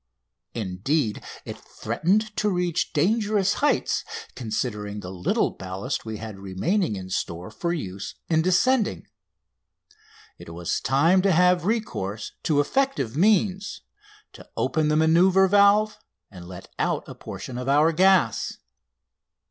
Indeed, it threatened to reach dangerous heights, considering the little ballast we had remaining in store for use in descending. It was time to have recourse to effective means, to open the manoeuvre valve and let out a portion of our gas.